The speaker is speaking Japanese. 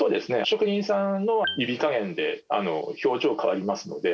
職人さんの指加減で表情変わりますので。